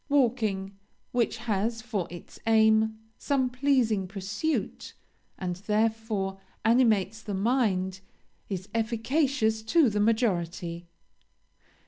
Walking, which has for its aim some pleasing pursuit, and, therefore, animates the mind, is efficacious to the majority.